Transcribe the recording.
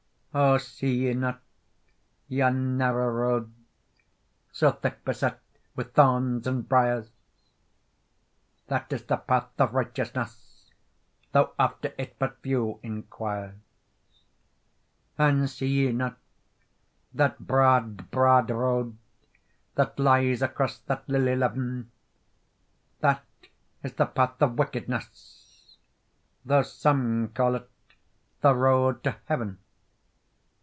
"O see ye not yon narrow road, So thick beset with thorns and briers? That is the path of righteousness, Tho after it but few enquires. "And see ye not that braid braid road, That lies across that lily leven? That is the path of wickedness, Tho some call it the road to heaven.